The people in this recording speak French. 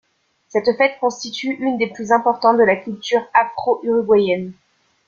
Cette fête constitue une des plus importantes de la culture afro-uruguayenne.